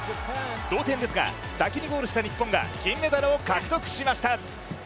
同点ですが、先にゴールした日本が金メダルを獲得しました。